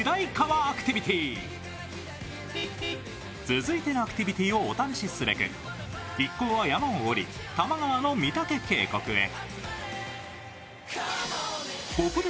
続いてのアクティビティーをお試しすべく一行は山を降り多摩川の御岳渓谷へ。